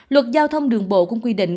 luật giao thông đường bộ cũng quy định